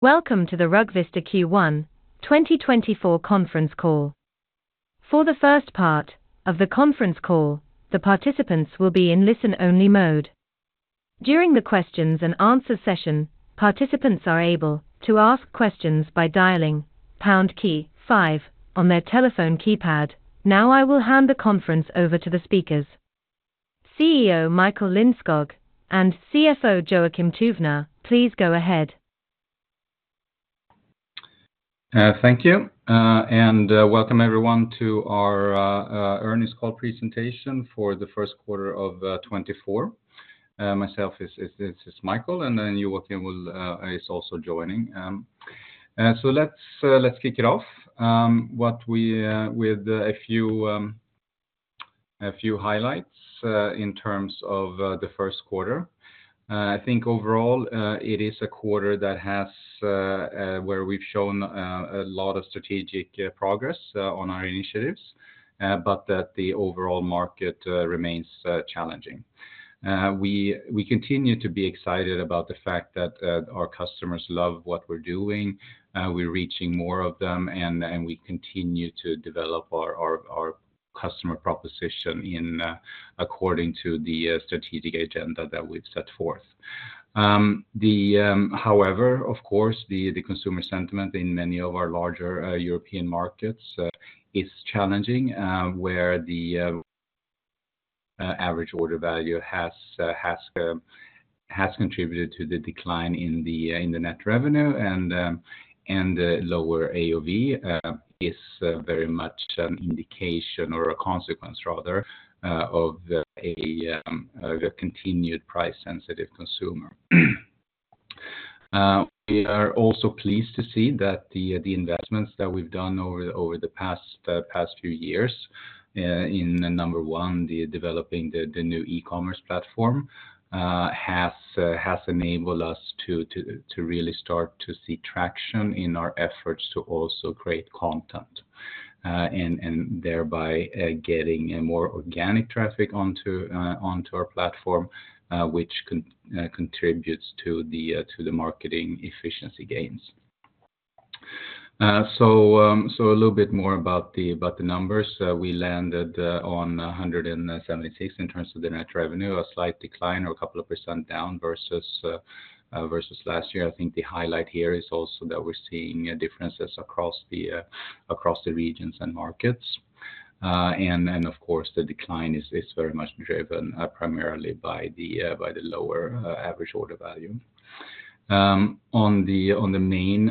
Welcome to the RugVista Q1 2024 conference call. For the first part of the conference call, the participants will be in listen-only mode. During the questions-and-answers session, participants are able to ask questions by dialing pound key five on their telephone keypad. Now I will hand the conference over to the speakers. CEO Michael Lindskog and CFO Joakim Tuvner, please go ahead. Thank you, and welcome everyone to our earnings call presentation for the first quarter of 2024. Myself is Michael, and then Joakim is also joining. So let's kick it off with a few highlights in terms of the first quarter. I think overall it is a quarter where we've shown a lot of strategic progress on our initiatives, but that the overall market remains challenging. We continue to be excited about the fact that our customers love what we're doing. We're reaching more of them, and we continue to develop our customer proposition according to the strategic agenda that we've set forth. However, of course, the consumer sentiment in many of our larger European markets is challenging, where the average order value has contributed to the decline in the net revenue, and lower AOV is very much an indication or a consequence, rather, of a continued price-sensitive consumer. We are also pleased to see that the investments that we've done over the past few years, in number one, developing the new e-commerce platform, has enabled us to really start to see traction in our efforts to also create content and thereby getting more organic traffic onto our platform, which contributes to the marketing efficiency gains. So a little bit more about the numbers. We landed on 176 million in terms of the net revenue, a slight decline or a couple of percent down versus last year. I think the highlight here is also that we're seeing differences across the regions and markets. And of course, the decline is very much driven primarily by the lower average order value. On the main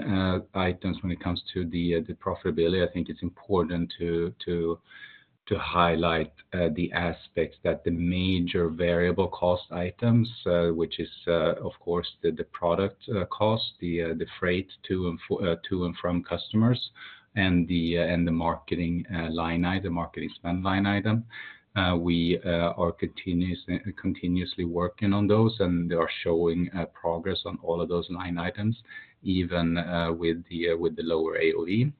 items, when it comes to the profitability, I think it's important to highlight the aspects that the major variable cost items, which is of course the product cost, the freight to and from customers, and the marketing line item, the marketing spend line item, we are continuously working on those, and they are showing progress on all of those line items, even with the lower AOV.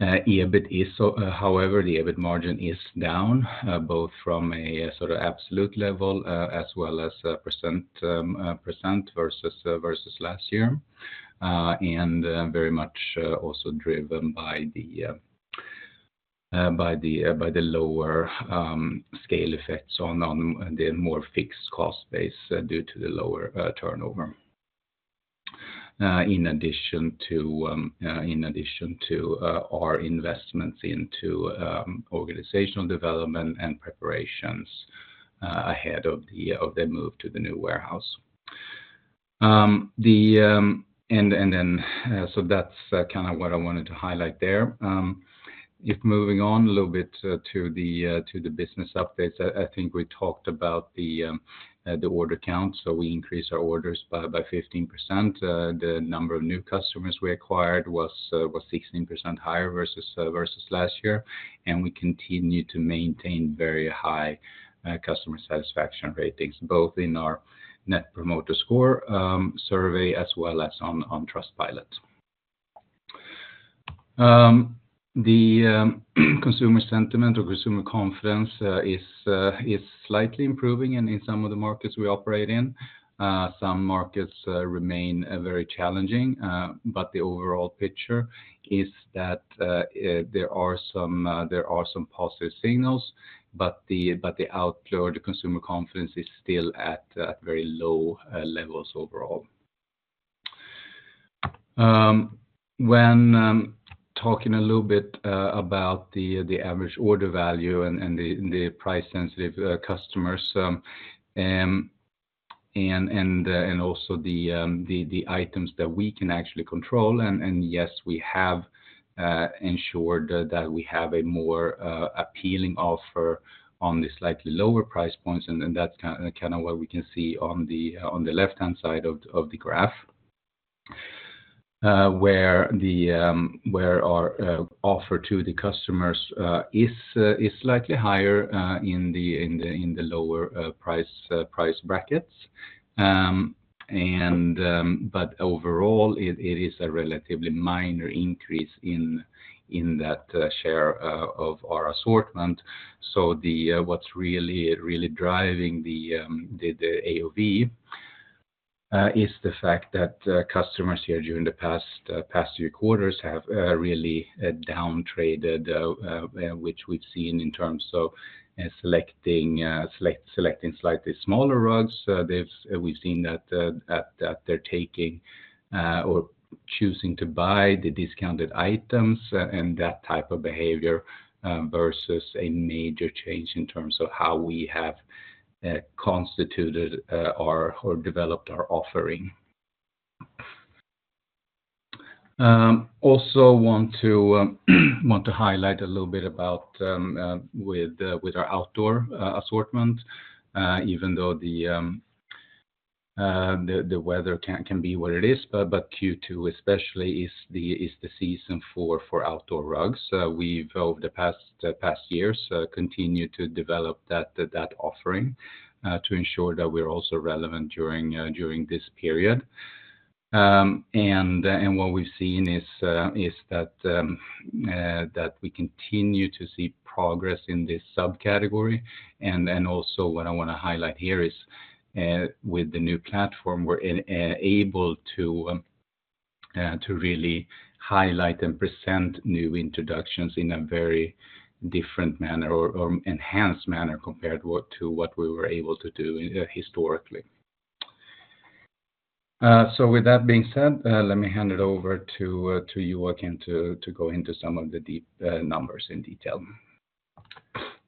However, the EBIT margin is down, both from a sort of absolute level as well as percent versus last year, and very much also driven by the lower scale effects on the more fixed cost base due to the lower turnover, in addition to our investments into organizational development and preparations ahead of their move to the new warehouse. And then so that's kind of what I wanted to highlight there. If moving on a little bit to the business updates, I think we talked about the order count. So we increased our orders by 15%. The number of new customers we acquired was 16% higher versus last year, and we continue to maintain very high customer satisfaction ratings, both in our Net Promoter Score survey as well as on Trustpilot. The consumer sentiment or consumer confidence is slightly improving in some of the markets we operate in. Some markets remain very challenging, but the overall picture is that there are some positive signals, but the outflow, the consumer confidence, is still at very low levels overall. When talking a little bit about the average order value and the price-sensitive customers and also the items that we can actually control, and yes, we have ensured that we have a more appealing offer on the slightly lower price points, and that's kind of what we can see on the left-hand side of the graph, where our offer to the customers is slightly higher in the lower price brackets. But overall, it is a relatively minor increase in that share of our assortment. So what's really, really driving the AOV is the fact that customers here during the past few quarters have really downtraded, which we've seen in terms of selecting slightly smaller rugs. We've seen that they're taking or choosing to buy the discounted items and that type of behavior versus a major change in terms of how we have constituted or developed our offering. Also want to highlight a little bit about our outdoor assortment, even though the weather can be what it is, but Q2 especially is the season for outdoor rugs. We've, over the past years, continued to develop that offering to ensure that we're also relevant during this period. And also what I want to highlight here is, with the new platform, we're able to really highlight and present new introductions in a very different manner or enhanced manner compared to what we were able to do historically. So with that being said, let me hand it over to Joakim to go into some of the numbers in detail.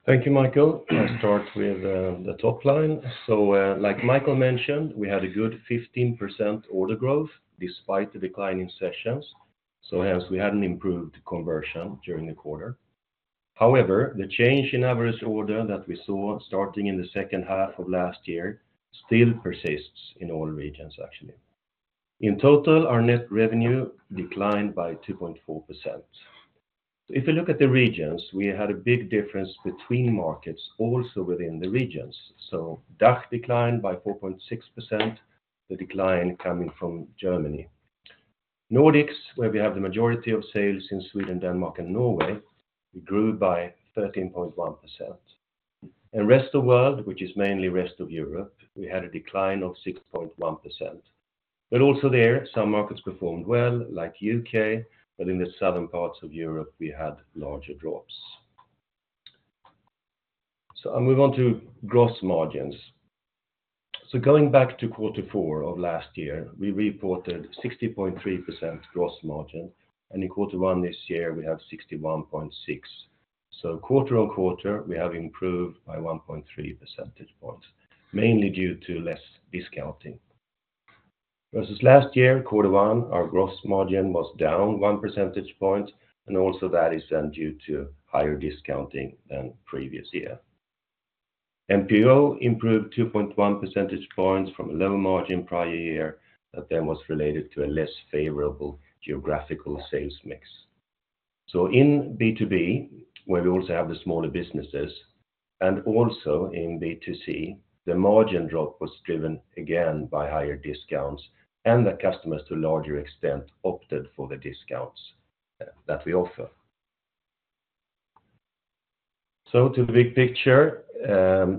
Thank you, Michael. I'll start with the top line. So like Michael mentioned, we had a good 15% order growth despite the decline in sessions. So hence, we had an improved conversion during the quarter. However, the change in average order that we saw starting in the second half of last year still persists in all regions, actually. In total, our net revenue declined by 2.4%. If we look at the regions, we had a big difference between markets, also within the regions. So DACH decline by 4.6%, the decline coming from Germany. Nordics, where we have the majority of sales in Sweden, Denmark, and Norway, grew by 13.1%. Rest of World, which is mainly rest of Europe, we had a decline of 6.1%. But also there, some markets performed well, like the UK, but in the southern parts of Europe, we had larger drops. I move on to gross margins. Going back to quarter four of last year, we reported 60.3% gross margin, and in quarter one this year, we have 61.6%. Quarter-over-quarter, we have improved by 1.3 percentage points, mainly due to less discounting. Versus last year, quarter one, our gross margin was down 1 percentage point, and also that is then due to higher discounting than previous year. MPO improved 2.1 percentage points from a low margin prior year that then was related to a less favorable geographical sales mix. In B2B, where we also have the smaller businesses, and also in B2C, the margin drop was driven again by higher discounts, and the customers, to a larger extent, opted for the discounts that we offer. To the big picture,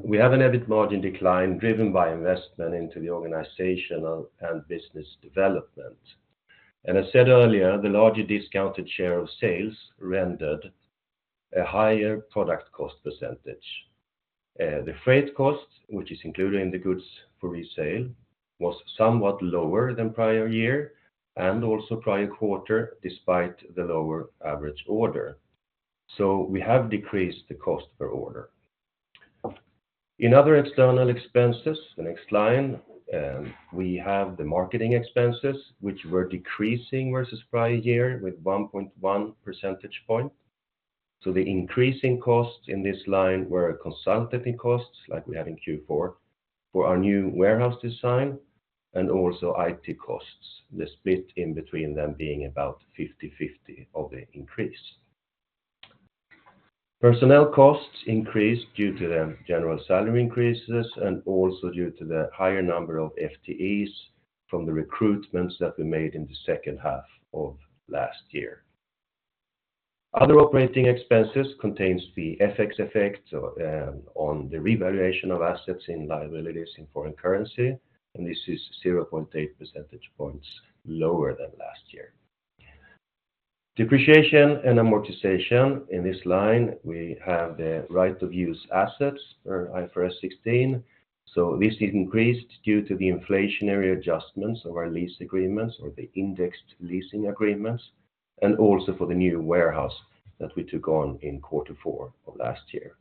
we have an EBIT margin decline driven by investment into the organizational and business development. As said earlier, the larger discounted share of sales rendered a higher product cost percentage. The freight cost, which is included in the goods for resale, was somewhat lower than prior year and also prior quarter, despite the lower average order. We have decreased the cost per order. In other external expenses, the next line, we have the marketing expenses, which were decreasing versus prior year with 1.1 percentage point. The increasing costs in this line were consulting costs, like we have in Q4, for our new warehouse design, and also IT costs, the split in between them being about 50/50 of the increase. Personnel costs increased due to the general salary increases and also due to the higher number of FTEs from the recruitments that we made in the second half of last year. Other operating expenses contain the FX effect on the revaluation of assets and liabilities in foreign currency, and this is 0.8 percentage points lower than last year. Depreciation and amortization, in this line, we have the right-of-use assets for IFRS 16. This increased due to the inflationary adjustments of our lease agreements or the indexed leasing agreements, and also for the new warehouse that we took on in quarter four of last year.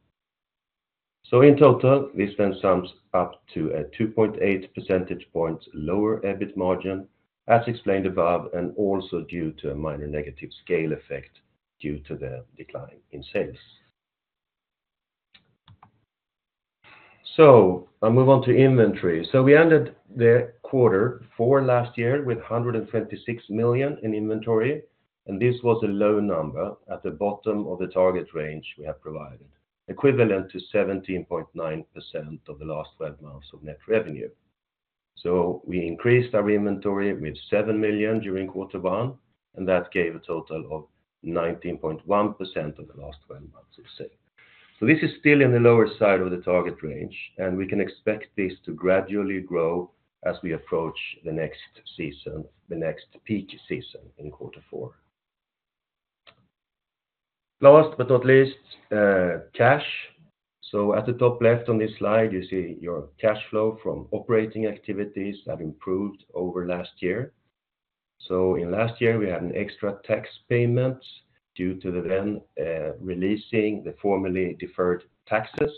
In total, this then sums up to a 2.8 percentage point lower EBIT margin, as explained above, and also due to a minor negative scale effect due to the decline in sales. I move on to inventory. So we ended quarter four last year with 126 million in inventory, and this was a low number at the bottom of the target range we have provided, equivalent to 17.9% of the last 12 months of net revenue. So we increased our inventory with 7 million during quarter one, and that gave a total of 19.1% of the last 12 months, let's say. So this is still in the lower side of the target range, and we can expect this to gradually grow as we approach the next season, the next peak season in quarter four. Last but not least, cash. So at the top left on this slide, you see your cash flow from operating activities that improved over last year. So in last year, we had an extra tax payment due to then releasing the formally deferred taxes.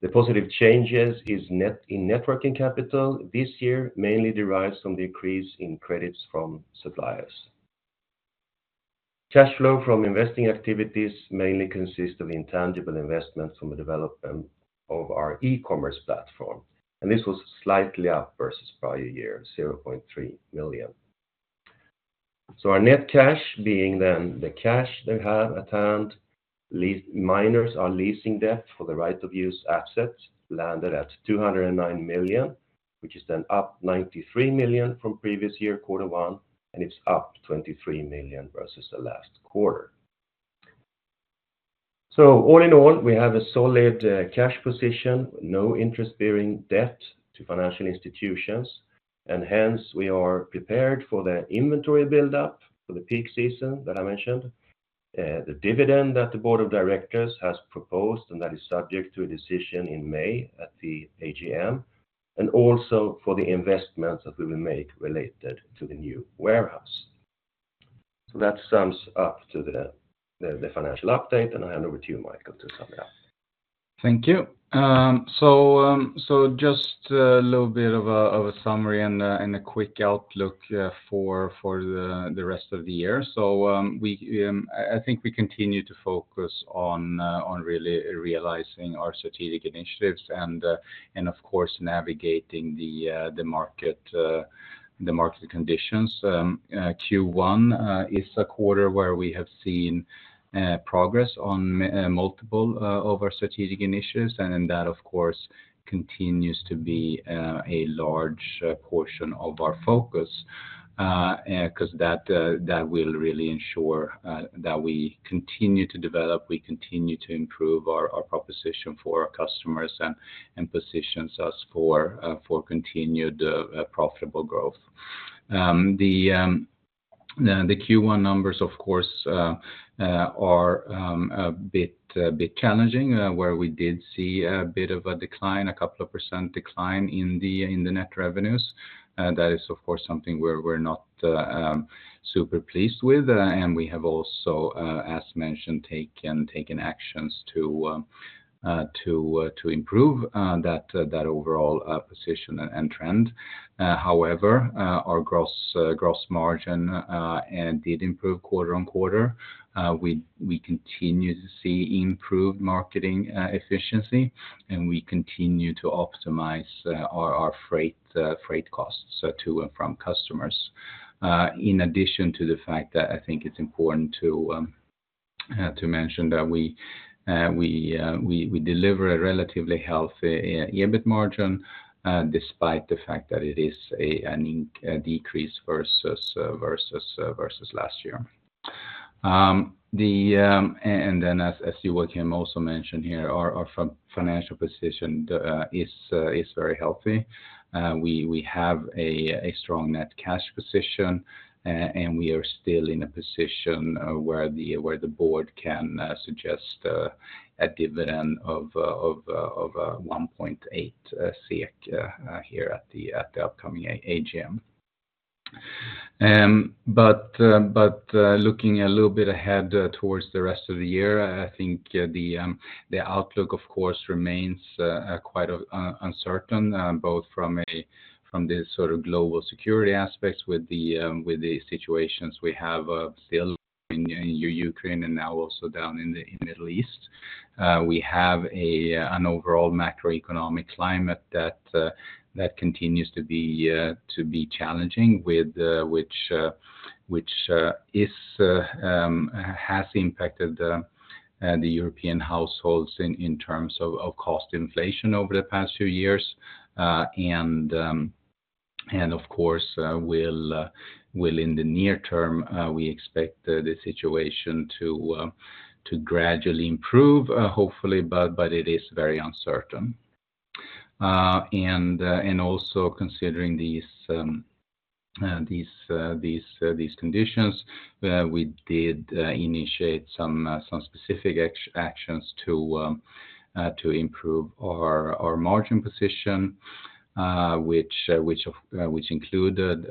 The positive changes in net working capital this year mainly derived from the increase in credits from suppliers. Cash flow from investing activities mainly consists of intangible investment from the development of our e-commerce platform, and this was slightly up versus prior year, 0.3 million. So our net cash, being then the cash that we have at hand, minus our leasing debt for the right-of-use assets landed at 209 million, which is then up 93 million from previous year, quarter one, and it's up 23 million versus the last quarter. So all in all, we have a solid cash position, no interest-bearing debt to financial institutions. Hence, we are prepared for the inventory buildup for the peak season that I mentioned, the dividend that the board of directors has proposed and that is subject to a decision in May at the AGM, and also for the investments that we will make related to the new warehouse. That sums up to the financial update, and I hand over to you, Michael, to sum it up. Thank you. Just a little bit of a summary and a quick outlook for the rest of the year. I think we continue to focus on really realizing our strategic initiatives and, of course, navigating the market conditions. Q1 is a quarter where we have seen progress on multiple of our strategic initiatives, and that, of course, continues to be a large portion of our focus because that will really ensure that we continue to develop, we continue to improve our proposition for our customers, and positions us for continued profitable growth. The Q1 numbers, of course, are a bit challenging, where we did see a bit of a decline, a couple of % decline in the net revenues. That is, of course, something we're not super pleased with. We have also, as mentioned, taken actions to improve that overall position and trend. However, our gross margin did improve quarter-over-quarter. We continue to see improved marketing efficiency, and we continue to optimize our freight costs to and from customers. In addition to the fact that I think it's important to mention that we deliver a relatively healthy EBIT margin despite the fact that it is a decrease versus last year. And then, as Joakim also mentioned here, our financial position is very healthy. We have a strong net cash position, and we are still in a position where the board can suggest a dividend of 1.8 SEK here at the upcoming AGM. But looking a little bit ahead towards the rest of the year, I think the outlook, of course, remains quite uncertain, both from the sort of global security aspects with the situations we have still in Ukraine and now also down in the Middle East. We have an overall macroeconomic climate that continues to be challenging, which has impacted the European households in terms of cost inflation over the past few years. Of course, in the near term, we expect the situation to gradually improve, hopefully, but it is very uncertain. Also considering these conditions, we did initiate some specific actions to improve our margin position, which included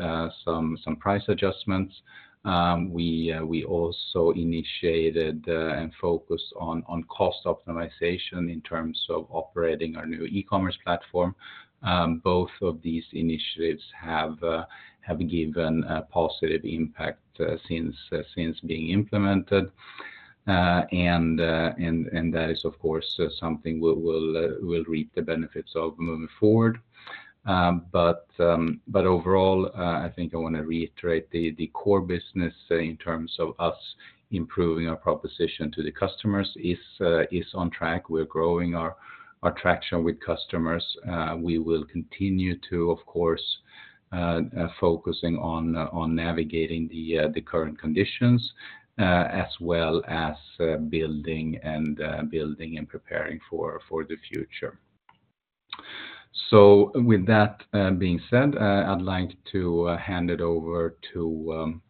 some price adjustments. We also initiated and focused on cost optimization in terms of operating our new e-commerce platform. Both of these initiatives have given a positive impact since being implemented. That is, of course, something we'll reap the benefits of moving forward. Overall, I think I want to reiterate the core business in terms of us improving our proposition to the customers is on track. We're growing our traction with customers. We will continue to, of course, focus on navigating the current conditions as well as building and preparing for the future. So with that being said, I'd like to hand it over to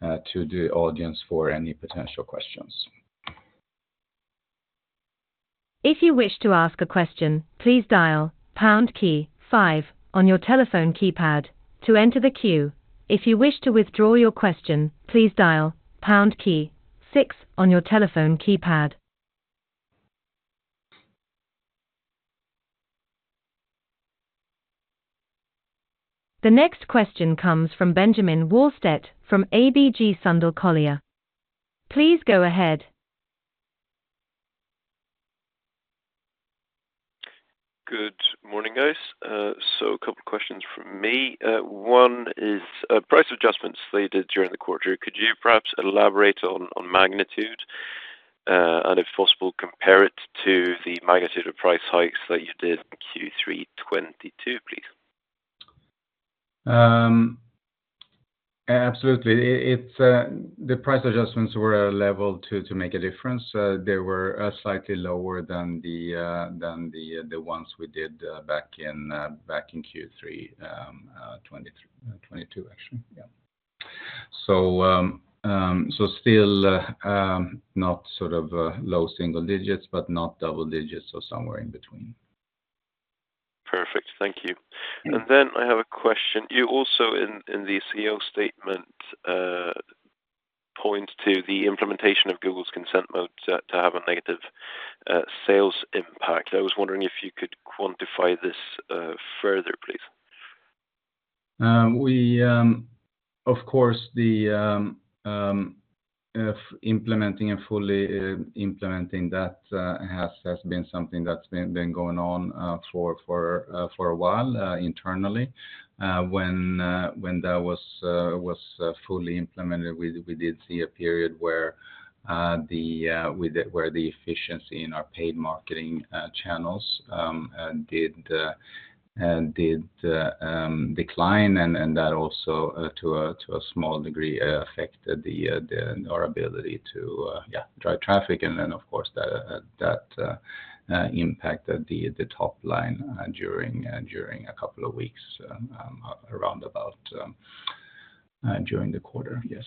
the audience for any potential questions. If you wish to ask a question, please dial pound key five on your telephone keypad to enter the queue. If you wish to withdraw your question, please dial pound key 6 on your telephone keypad. The next question comes from Benjamin Wahlstedt from ABG Sundal Collier. Please go ahead. Good morning, guys. A couple of questions from me. One is price adjustments they did during the quarter. Could you perhaps elaborate on magnitude and, if possible, compare it to the magnitude of price hikes that you did in Q3 2022, please? Absolutely. The price adjustments were leveled to make a difference. They were slightly lower than the ones we did back in Q3 2022, actually. Yeah. So still not sort of low single digits, but not double digits, so somewhere in between. Perfect. Thank you. And then I have a question. You also, in the CEO statement, point to the implementation of Google's Consent Mode to have a negative sales impact. I was wondering if you could quantify this further, please. Of course, implementing and fully implementing that has been something that's been going on for a while internally. When that was fully implemented, we did see a period where the efficiency in our paid marketing channels did decline, and that also, to a small degree, affected our ability to drive traffic. And then, of course, that impacted the top line during a couple of weeks around about during the quarter, yes.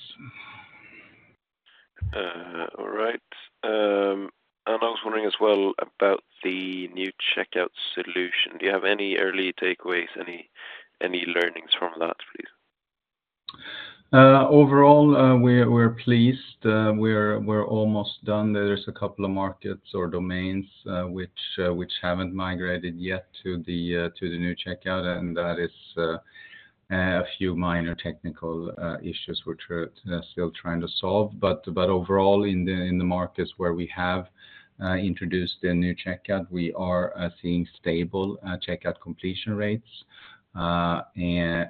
All right. I was wondering as well about the new checkout solution. Do you have any early takeaways, any learnings from that, please? Overall, we're pleased. We're almost done. There's a couple of markets or domains which haven't migrated yet to the new checkout, and that is a few minor technical issues we're still trying to solve. Overall, in the markets where we have introduced the new checkout, we are seeing stable checkout completion rates, and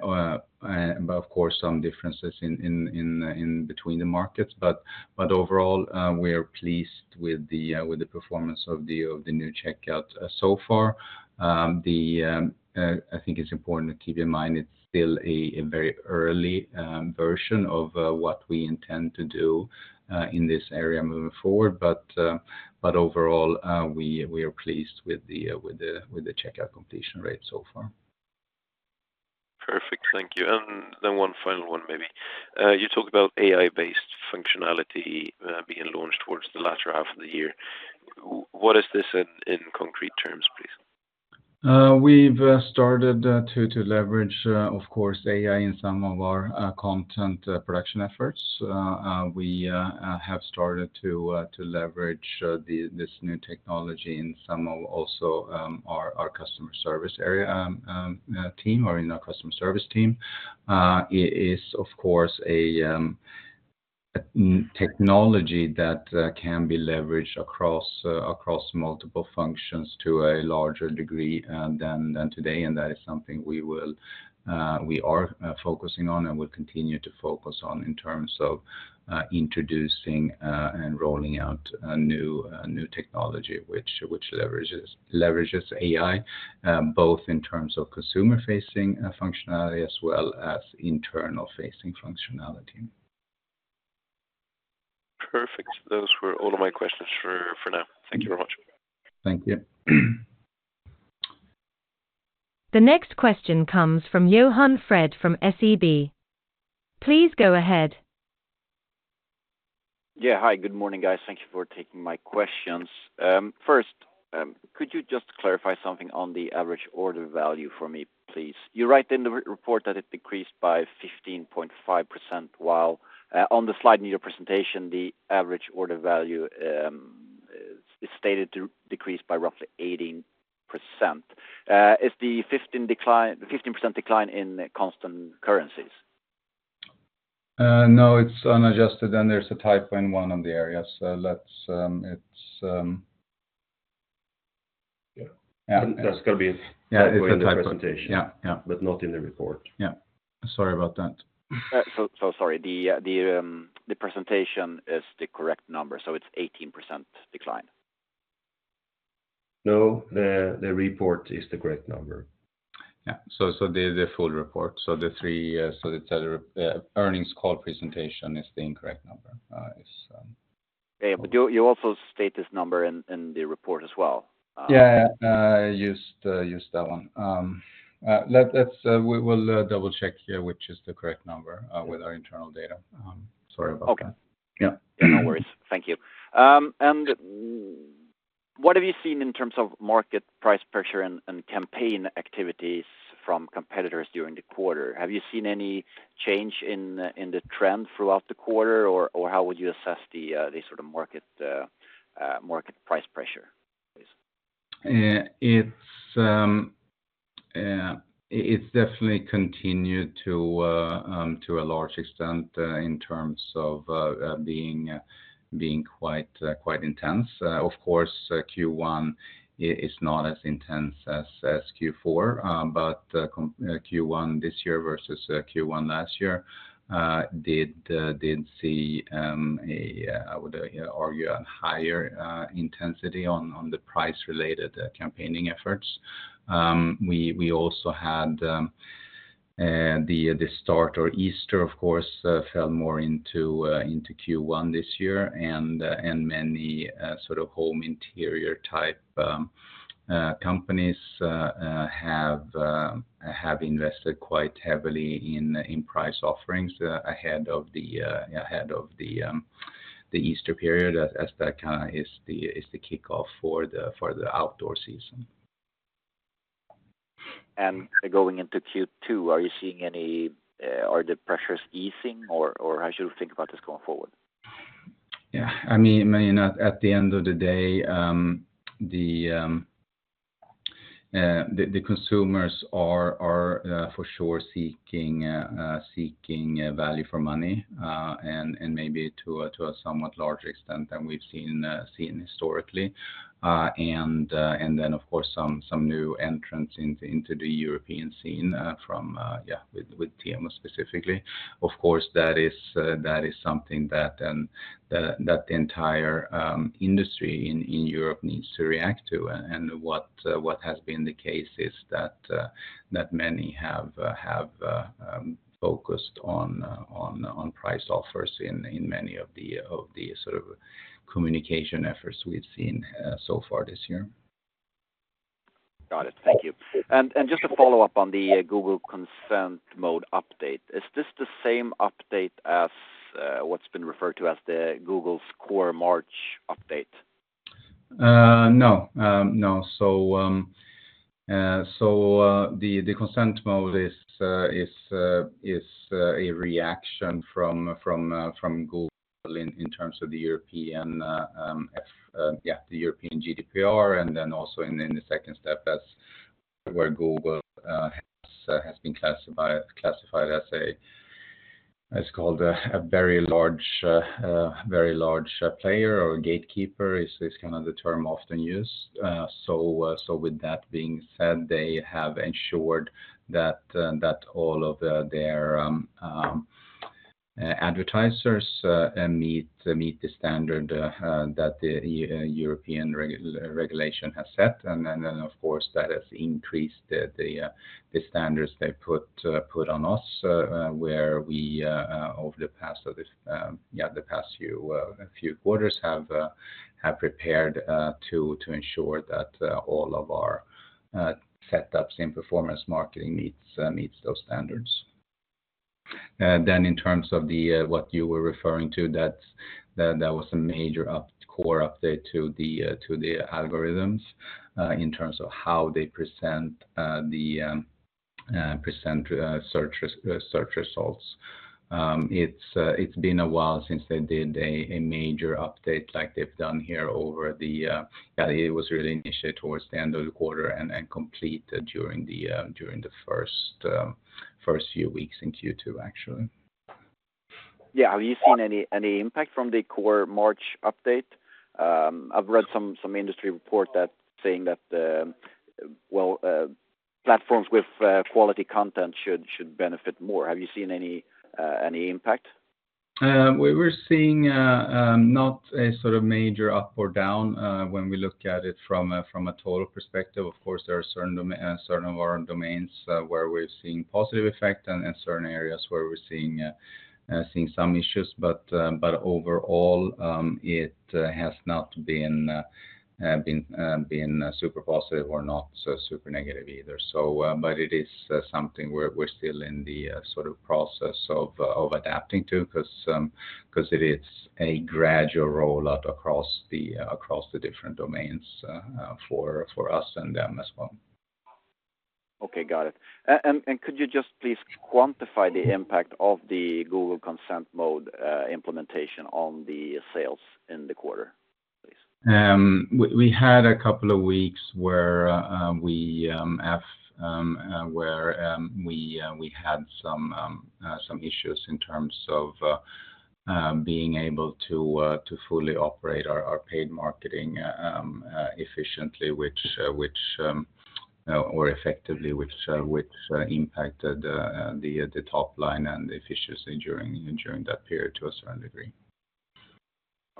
of course, some differences in between the markets. Overall, we're pleased with the performance of the new checkout so far. I think it's important to keep in mind it's still a very early version of what we intend to do in this area moving forward. Overall, we are pleased with the checkout completion rate so far. Perfect. Thank you. And then one final one, maybe. You talked about AI-based functionality being launched towards the latter half of the year. What is this in concrete terms, please? We've started to leverage, of course, AI in some of our content production efforts. We have started to leverage this new technology in some of also our customer service area team or in our customer service team. It is, of course, a technology that can be leveraged across multiple functions to a larger degree than today, and that is something we are focusing on and will continue to focus on in terms of introducing and rolling out new technology, which leverages AI both in terms of consumer-facing functionality as well as internal-facing functionality. Perfect. Those were all of my questions for now. Thank you very much. Thank you. The next question comes from Johan Fred from SEB. Please go ahead. Yeah. Hi. Good morning, guys. Thank you for taking my questions. First, could you just clarify something on the average order value for me, please? You write in the report that it decreased by 15.5% while on the slide in your presentation, the average order value is stated to decrease by roughly 18%. Is the 15% decline in constant currencies? No. It's unadjusted, and there's a typo in one of the areas. Yeah. That's got to be it. Yeah. It's a typo. In your presentation. Yeah. Yeah. But not in the report. Yeah. Sorry about that. So sorry. The presentation is the correct number, so it's 18% decline. No. The report is the correct number. Yeah. So the full report. So the Q3 earnings call presentation is the incorrect number. Yeah. But you also state this number in the report as well. Yeah. Yeah. I used that one. We'll double-check here which is the correct number with our internal data. Sorry about that. Okay. Yeah. No worries. Thank you. And what have you seen in terms of market price pressure and campaign activities from competitors during the quarter? Have you seen any change in the trend throughout the quarter, or how would you assess the sort of market price pressure, please? It's definitely continued to a large extent in terms of being quite intense. Of course, Q1 is not as intense as Q4, but Q1 this year versus Q1 last year did see, I would argue, a higher intensity on the price-related campaigning efforts. We also had the start of Easter, of course, fell more into Q1 this year, and many sort of home interior-type companies have invested quite heavily in price offerings ahead of the Easter period as that kind of is the kickoff for the outdoor season. Going into Q2, are you seeing any? Are the pressures easing, or how should we think about this going forward? Yeah. I mean, at the end of the day, the consumers are for sure seeking value for money and maybe to a somewhat larger extent than we've seen historically. And then, of course, some new entrants into the European scene from, yeah, with Temu specifically. Of course, that is something that the entire industry in Europe needs to react to. And what has been the case is that many have focused on price offers in many of the sort of communication efforts we've seen so far this year. Got it. Thank you. And just a follow-up on the Google Consent Mode update. Is this the same update as what's been referred to as the Google's Core March Update? No. No. So the consent mode is a reaction from Google in terms of the European GDPR, and then also in the second step as where Google has been classified as a, it's called, a very large player or gatekeeper is kind of the term often used. So with that being said, they have ensured that all of their advertisers meet the standard that the European regulation has set. And then, of course, that has increased the standards they put on us where we, over the past few quarters, have prepared to ensure that all of our setups in performance marketing meets those standards. Then in terms of what you were referring to, that was a major core update to the algorithms in terms of how they present search results. It's been a while since they did a major update like they've done here over the year, yeah. It was really initiated towards the end of the quarter and completed during the first few weeks in Q2, actually. Yeah. Have you seen any impact from the Core March Update? I've read some industry reports saying that, well, platforms with quality content should benefit more. Have you seen any impact? We were seeing not a sort of major up or down when we look at it from a total perspective. Of course, there are certain of our domains where we've seen positive effect and certain areas where we're seeing some issues. But overall, it has not been super positive or not super negative either. But it is something we're still in the sort of process of adapting to because it is a gradual rollout across the different domains for us and them as well. Okay. Got it. Could you just please quantify the impact of the Google Consent Mode implementation on the sales in the quarter, please? We had a couple of weeks where we had some issues in terms of being able to fully operate our paid marketing efficiently or effectively, which impacted the top line and the efficiency during that period to a certain degree.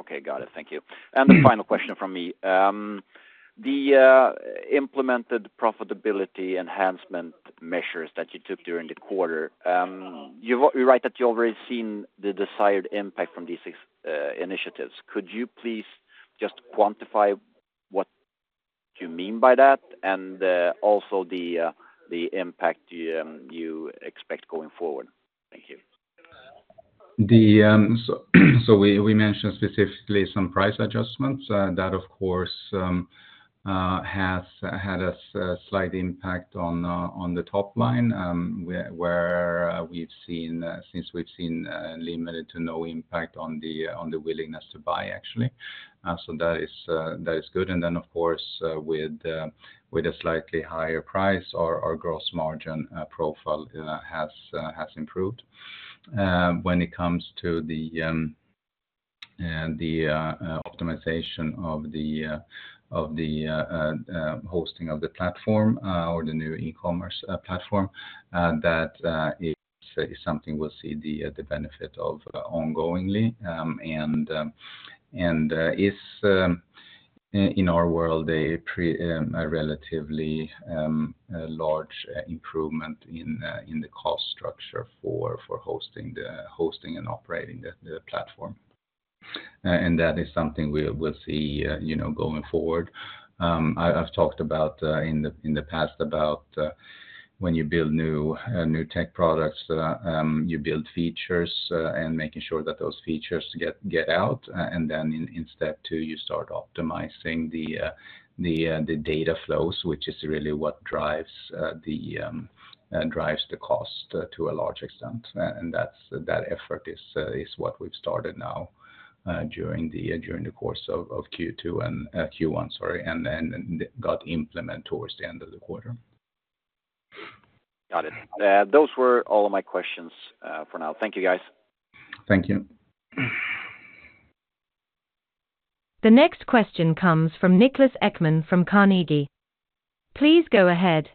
Okay. Got it. Thank you. The final question from me. The implemented profitability enhancement measures that you took during the quarter, you write that you already seen the desired impact from these initiatives. Could you please just quantify what you mean by that and also the impact you expect going forward? Thank you. So we mentioned specifically some price adjustments. That, of course, has had a slight impact on the top line where we've seen limited to no impact on the willingness to buy, actually. So that is good. And then, of course, with a slightly higher price, our gross margin profile has improved. When it comes to the optimization of the hosting of the platform or the new e-commerce platform, that is something we'll see the benefit of ongoingly. And it is, in our world, a relatively large improvement in the cost structure for hosting and operating the platform. And that is something we'll see going forward. I've talked in the past about when you build new tech products, you build features and making sure that those features get out. And then in step two, you start optimizing the data flows, which is really what drives the cost to a large extent. And that effort is what we've started now during the course of Q2 and Q1, sorry, and got implemented towards the end of the quarter. Got it. Those were all of my questions for now. Thank you, guys. Thank you. The next question comes from Niklas Ekman from Carnegie. Please go ahead.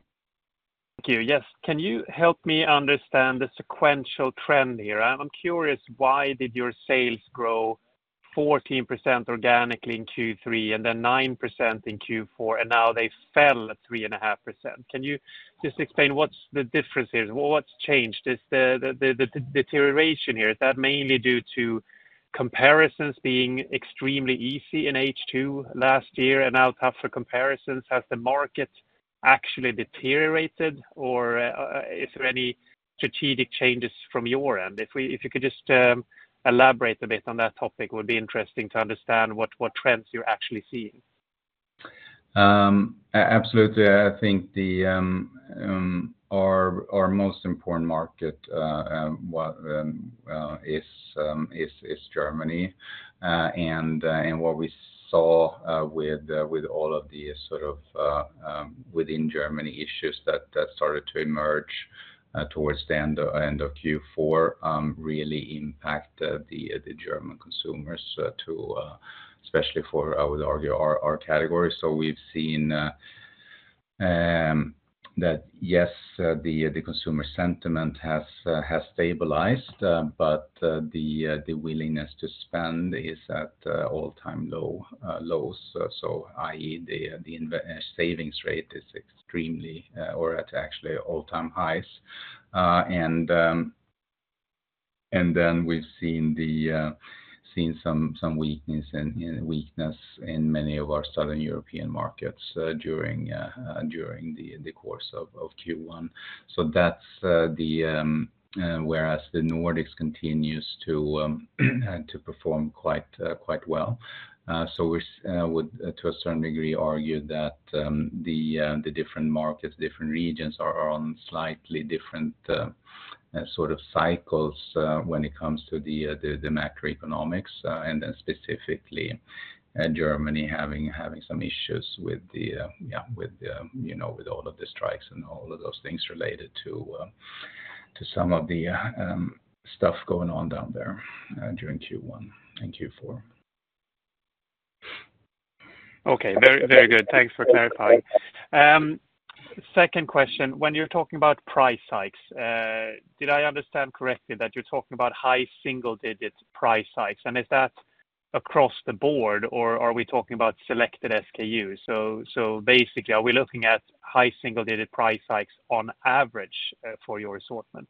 Thank you. Yes. Can you help me understand the sequential trend here? I'm curious, why did your sales grow 14% organically in Q3 and then 9% in Q4, and now they fell 3.5%? Can you just explain what's the difference here? What's changed? Is the deterioration here is that mainly due to comparisons being extremely easy in H2 last year and now tougher comparisons? Has the market actually deteriorated, or is there any strategic changes from your end? If you could just elaborate a bit on that topic, it would be interesting to understand what trends you're actually seeing. Absolutely. I think our most important market is Germany. And what we saw with all of the sort of within Germany issues that started to emerge towards the end of Q4 really impacted the German consumers, especially for, I would argue, our category. So we've seen that, yes, the consumer sentiment has stabilized, but the willingness to spend is at all-time lows, i.e., the savings rate is extremely or at actually all-time highs. And then we've seen some weakness in many of our southern European markets during the course of Q1. So that's whereas the Nordics continues to perform quite well. So we would, to a certain degree, argue that the different markets, different regions are on slightly different sort of cycles when it comes to the macroeconomics, and then specifically Germany having some issues with, yeah, with all of the strikes and all of those things related to some of the stuff going on down there during Q1 and Q4. Okay. Very good. Thanks for clarifying. Second question. When you're talking about price hikes, did I understand correctly that you're talking about high single-digit price hikes? And is that across the board, or are we talking about selected SKUs? So basically, are we looking at high single-digit price hikes on average for your assortment?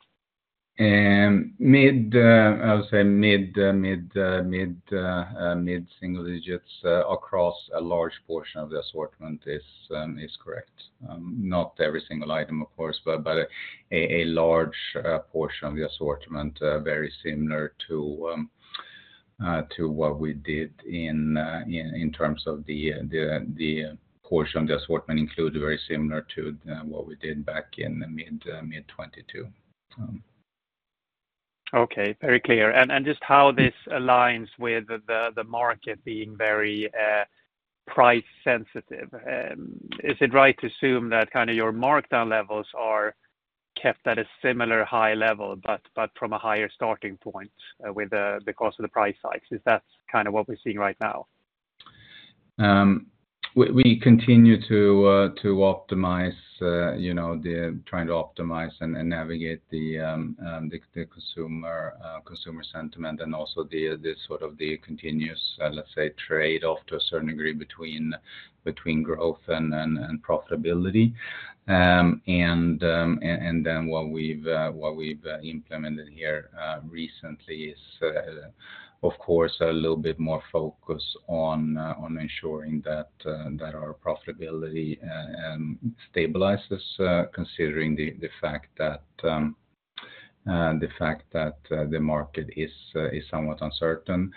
I would say mid-single digits across a large portion of the assortment is correct. Not every single item, of course, but a large portion of the assortment very similar to what we did in terms of the portion of the assortment included very similar to what we did back in mid-2022. Okay. Very clear. Just how this aligns with the market being very price-sensitive? Is it right to assume that kind of your markdown levels are kept at a similar high level but from a higher starting point because of the price hikes? Is that kind of what we're seeing right now? We continue to optimize, trying to optimize and navigate the consumer sentiment and also sort of the continuous, let's say, trade-off to a certain degree between growth and profitability. And then what we've implemented here recently is, of course, a little bit more focus on ensuring that our profitability stabilizes considering the fact that the market is somewhat uncertain.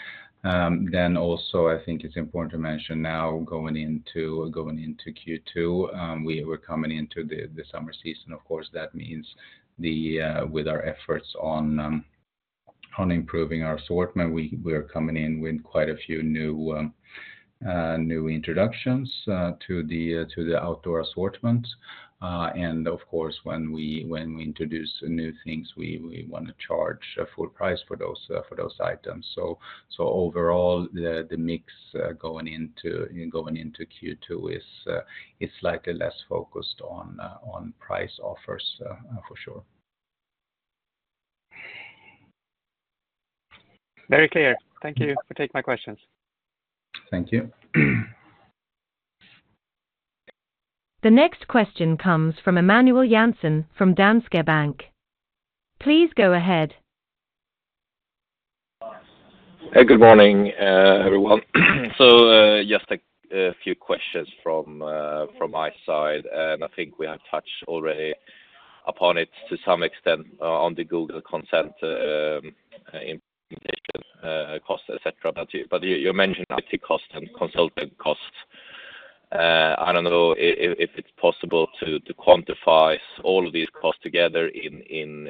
Then also, I think it's important to mention now going into Q2, we're coming into the summer season. Of course, that means with our efforts on improving our assortment, we are coming in with quite a few new introductions to the outdoor assortment. And of course, when we introduce new things, we want to charge full price for those items. So overall, the mix going into Q2 is slightly less focused on price offers, for sure. Very clear. Thank you for taking my questions. Thank you. The next question comes from Emanuel Jansson from Danske Bank. Please go ahead. Good morning, everyone. So just a few questions from my side. And I think we have touched already upon it to some extent on the Google Consent Mode implementation cost, etc. But you mentioned IT cost and consultant cost. I don't know if it's possible to quantify all of these costs together in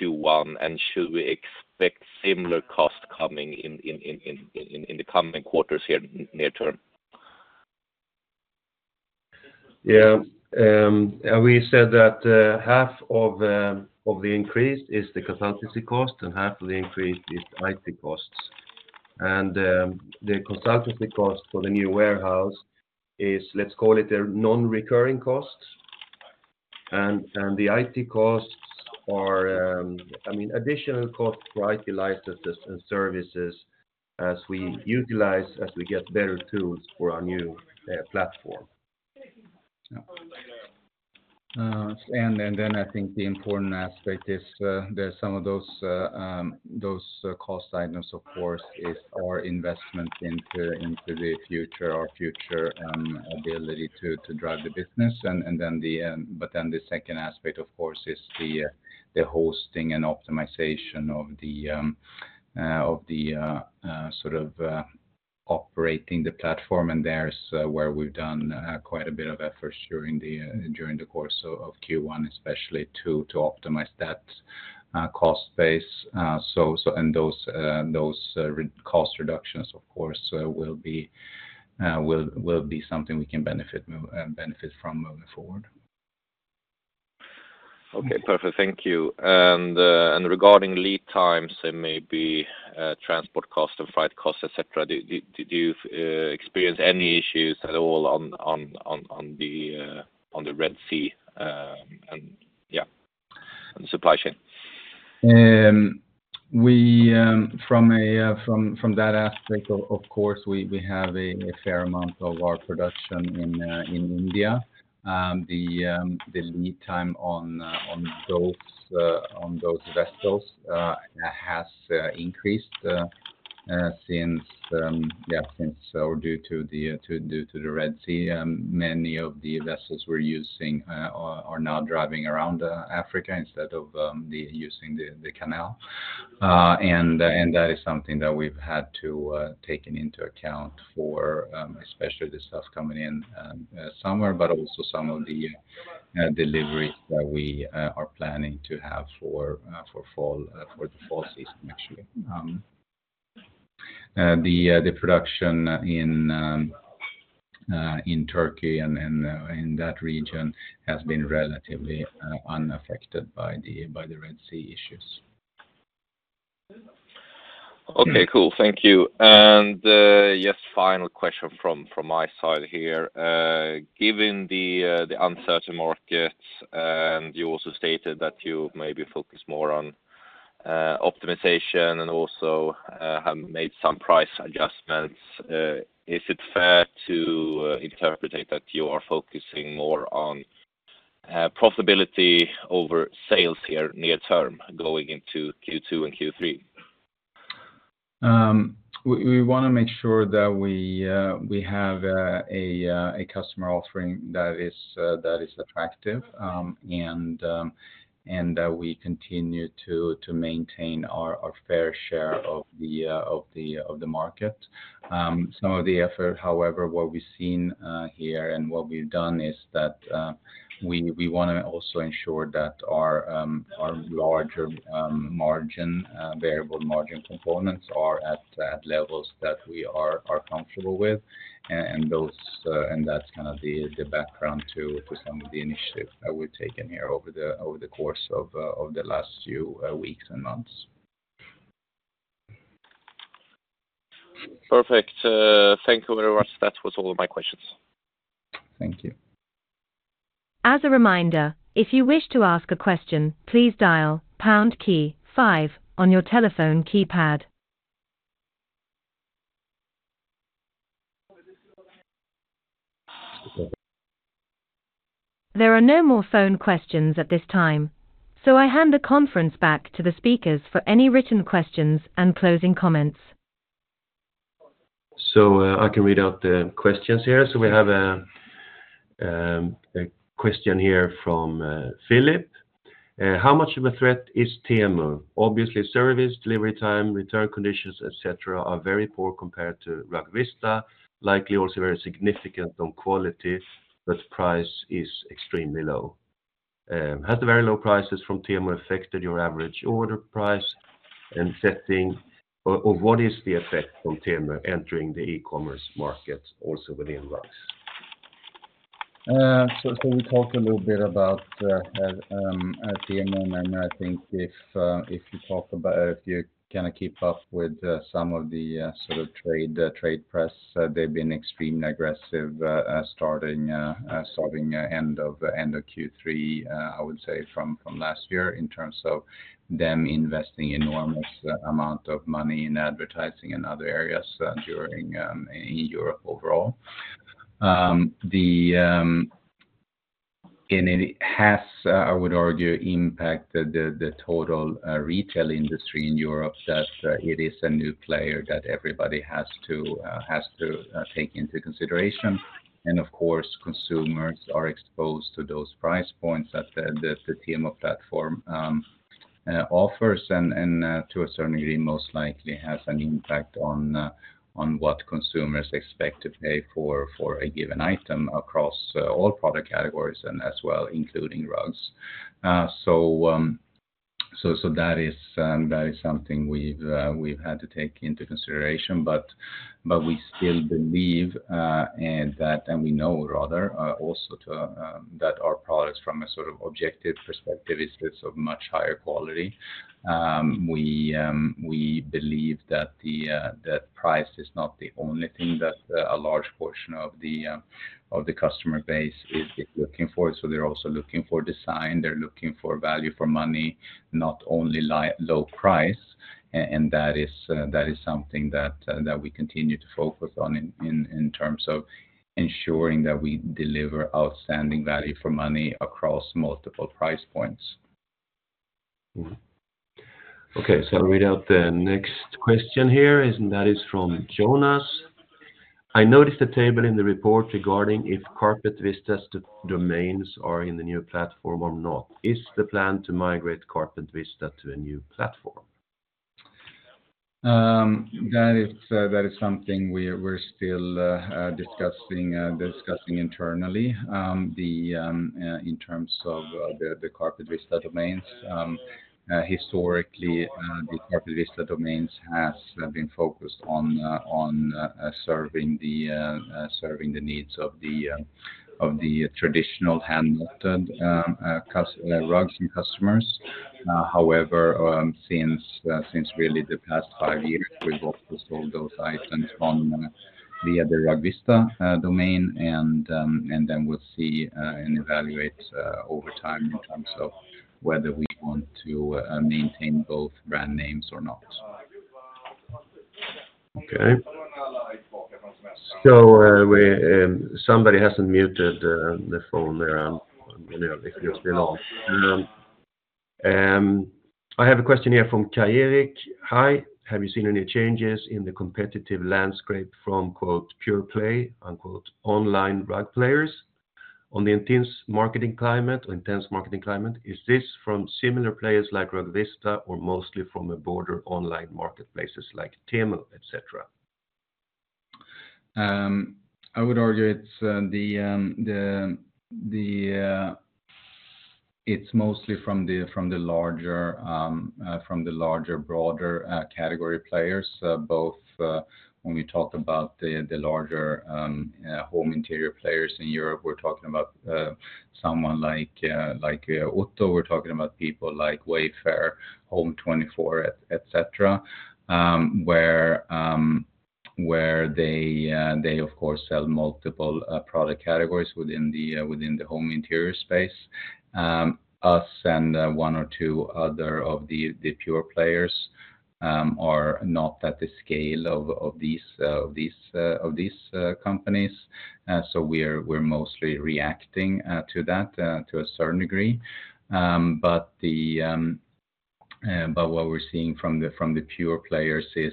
Q1, and should we expect similar costs coming in the coming quarters here near term? Yeah. We said that half of the increase is the consultancy cost, and half of the increase is IT costs. The consultancy cost for the new warehouse is, let's call it, a non-recurring cost. The IT costs are, I mean, additional costs for IT licenses and services as we utilize, as we get better tools for our new platform. Then I think the important aspect is there's some of those cost items, of course, is our investment into the future, our future ability to drive the business. But then the second aspect, of course, is the hosting and optimization of the sort of operating the platform. And there's where we've done quite a bit of efforts during the course of Q1, especially to optimize that cost base. And those cost reductions, of course, will be something we can benefit from moving forward. Okay. Perfect. Thank you. Regarding lead times and maybe transport costs and flight costs, etc., do you experience any issues at all on the Red Sea and, yeah, on the supply chain? From that aspect, of course, we have a fair amount of our production in India. The lead time on those vessels has increased, yeah, due to the Red Sea. Many of the vessels we're using are now driving around Africa instead of using the canal. That is something that we've had to take into account for, especially the stuff coming in somewhere, but also some of the deliveries that we are planning to have for the fall season, actually. The production in Turkey and in that region has been relatively unaffected by the Red Sea issues. Okay. Cool. Thank you. And yes, final question from my side here. Given the uncertain markets, and you also stated that you maybe focus more on optimization and also have made some price adjustments, is it fair to interpret that you are focusing more on profitability over sales here near term going into Q2 and Q3? We want to make sure that we have a customer offering that is attractive and that we continue to maintain our fair share of the market. Some of the effort, however, what we've seen here and what we've done is that we want to also ensure that our larger variable margin components are at levels that we are comfortable with. That's kind of the background to some of the initiatives that we've taken here over the course of the last few weeks and months. Perfect. Thank you very much. That was all of my questions. Thank you. As a reminder, if you wish to ask a question, please dial pound key five on your telephone keypad. There are no more phone questions at this time, so I hand the conference back to the speakers for any written questions and closing comments. So I can read out the questions here. So we have a question here from Philip. How much of a threat is Temu? Obviously, service, delivery time, return conditions, etc., are very poor compared to Rugvista, likely also very significant on quality, but price is extremely low. Has the very low prices from Temu affected your average order price and setting, or what is the effect on Temu entering the e-commerce market also within rugs? So we talked a little bit about Temu. And I think if you talk about if you kind of keep up with some of the sort of trade press, they've been extremely aggressive starting end of Q3, I would say, from last year in terms of them investing enormous amounts of money in advertising and other areas in Europe overall. It has, I would argue, impacted the total retail industry in Europe that it is a new player that everybody has to take into consideration. And of course, consumers are exposed to those price points that the Temu platform offers and to a certain degree, most likely, has an impact on what consumers expect to pay for a given item across all product categories and as well, including rugs. So that is something we've had to take into consideration. But we still believe and we know, rather, also that our products, from a sort of objective perspective, is of much higher quality. We believe that price is not the only thing that a large portion of the customer base is looking for. So they're also looking for design. They're looking for value for money, not only low price. And that is something that we continue to focus on in terms of ensuring that we deliver outstanding value for money across multiple price points. Okay. So I'll read out the next question here, and that is from Jonas. I noticed a table in the report regarding if CarpetVista's domains are in the new platform or not. Is the plan to migrate CarpetVista to a new platform? That is something we're still discussing internally in terms of the CarpetVista domains. Historically, the CarpetVista domains have been focused on serving the needs of the traditional hand-knotted rugs and customers. However, since really the past five years, we've also sold those items via the RugVista domain. And then we'll see and evaluate over time in terms of whether we want to maintain both brand names or not. Okay. So somebody hasn't muted the phone there. If you're still on. I have a question here from Kai-Erik. Hi. Have you seen any changes in the competitive landscape from "pure play" online rug players? On the intense marketing climate, is this from similar players like RugVista or mostly from a broader online marketplaces like Temu, etc.? I would argue it's mostly from the larger, broader category players. Both when we talk about the larger home interior players in Europe, we're talking about someone like Otto, we're talking about people like Wayfair, Home24, etc., where they, of course, sell multiple product categories within the home interior space. We and one or two other of the pure players are not at the scale of these companies. So we're mostly reacting to that to a certain degree. But what we're seeing from the pure players is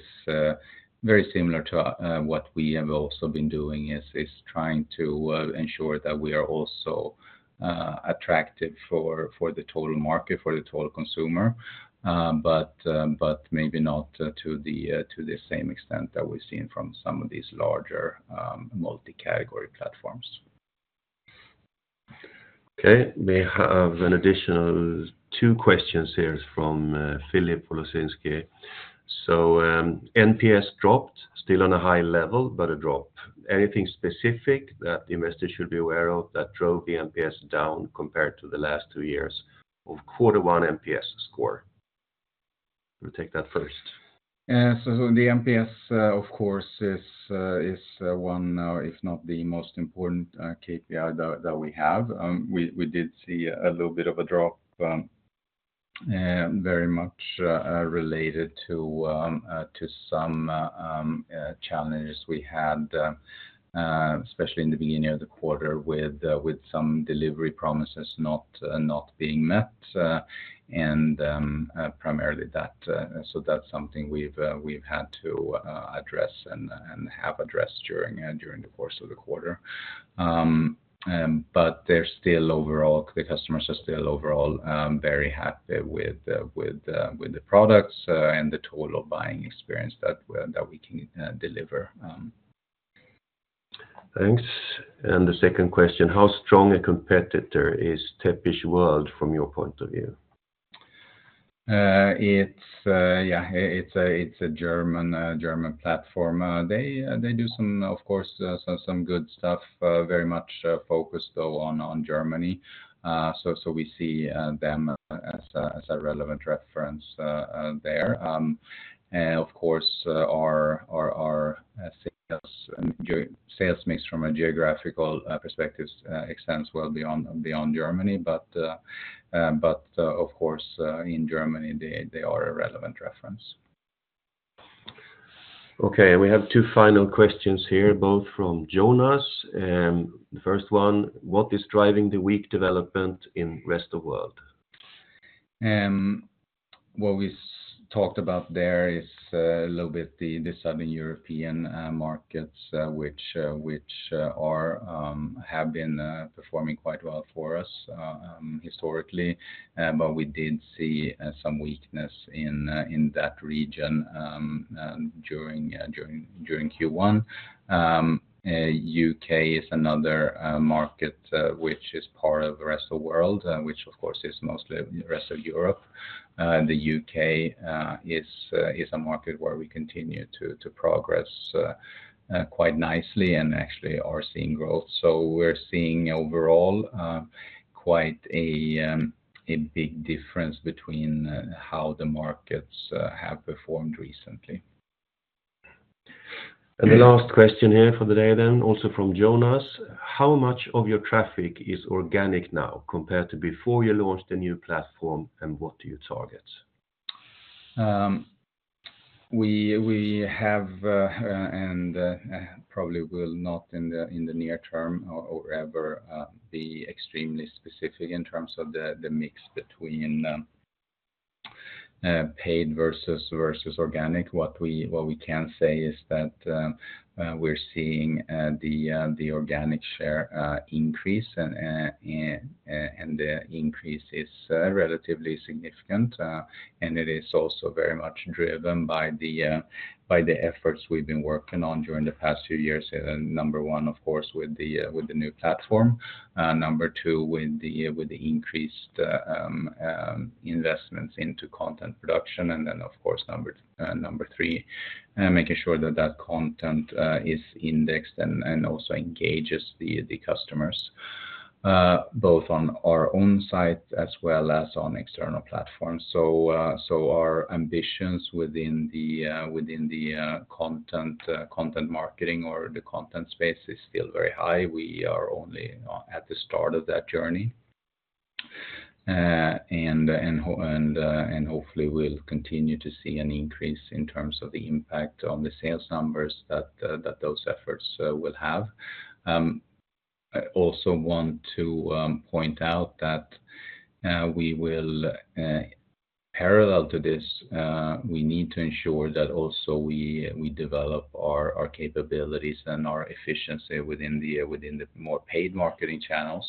very similar to what we have also been doing, is trying to ensure that we are also attractive for the total market, for the total consumer, but maybe not to the same extent that we've seen from some of these larger multi-category platforms. Okay. We have an additional two questions here from Philip Polosinski. So NPS dropped, still on a high level, but a drop. Anything specific that investors should be aware of that drove the NPS down compared to the last two years of quarter one NPS score? We'll take that first. So the NPS, of course, is one, if not the most important KPI that we have. We did see a little bit of a drop, very much related to some challenges we had, especially in the beginning of the quarter with some delivery promises not being met. And primarily that. So that's something we've had to address and have addressed during the course of the quarter. But overall, the customers are still overall very happy with the products and the total buying experience that we can deliver. Thanks. The second question. How strong a competitor is Teppich World from your point of view? Yeah. It's a German platform. They do some, of course, some good stuff, very much focused, though, on Germany. So we see them as a relevant reference there. Of course, our sales mix from a geographical perspective extends well beyond Germany. But of course, in Germany, they are a relevant reference. Okay. We have two final questions here, both from Jonas. The first one. What is driving the weak development in the rest of the world? What we talked about there is a little bit the Southern European markets, which have been performing quite well for us historically. But we did see some weakness in that region during Q1. The U.K. is another market which is part of the rest of the world, which, of course, is mostly the rest of Europe. The U.K. is a market where we continue to progress quite nicely and actually are seeing growth. So we're seeing overall quite a big difference between how the markets have performed recently. The last question here for the day then, also from Jonas. How much of your traffic is organic now compared to before you launched the new platform, and what do you target? We have and probably will not in the near term or ever be extremely specific in terms of the mix between paid versus organic. What we can say is that we're seeing the organic share increase, and the increase is relatively significant. And it is also very much driven by the efforts we've been working on during the past few years. Number one, of course, with the new platform. Number two, with the increased investments into content production. And then, of course, number three, making sure that that content is indexed and also engages the customers, both on our own site as well as on external platforms. So our ambitions within the content marketing or the content space is still very high. We are only at the start of that journey. Hopefully, we'll continue to see an increase in terms of the impact on the sales numbers that those efforts will have. I also want to point out that we will, parallel to this, we need to ensure that also we develop our capabilities and our efficiency within the more paid marketing channels.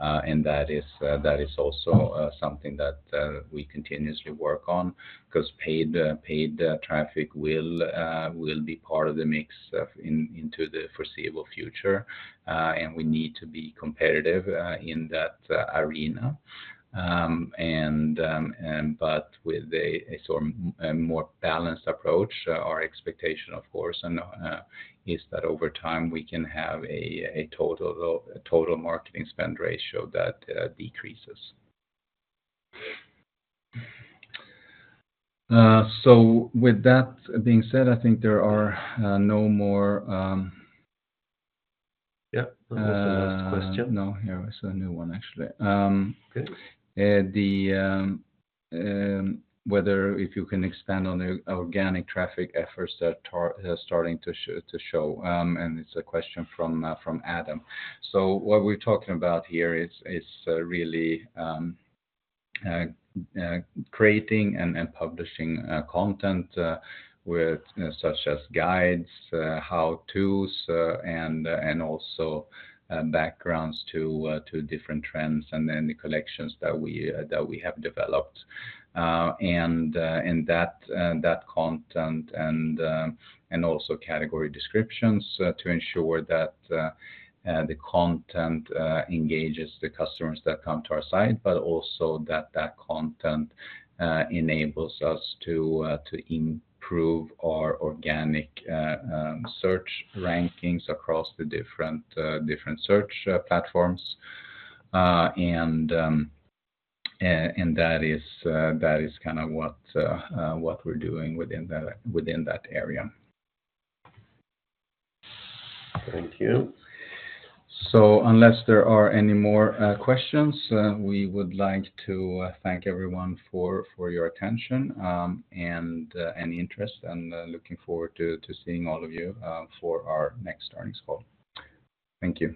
That is also something that we continuously work on because paid traffic will be part of the mix into the foreseeable future. We need to be competitive in that arena. With a more balanced approach, our expectation, of course, is that over time, we can have a total marketing spend ratio that decreases. With that being said, I think there are no more. Yep. That was the last question. No, here was a new one, actually. Whether if you can expand on the organic traffic efforts that are starting to show? And it's a question from Adam. So what we're talking about here is really creating and publishing content such as guides, how-tos, and also backgrounds to different trends and then the collections that we have developed. And that content and also category descriptions to ensure that the content engages the customers that come to our site, but also that that content enables us to improve our organic search rankings across the different search platforms. And that is kind of what we're doing within that area. Thank you. So unless there are any more questions, we would like to thank everyone for your attention and interest. Looking forward to seeing all of you for our next earnings call. Thank you.